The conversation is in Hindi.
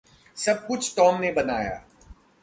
सब कुछ टॉम ने बनाया।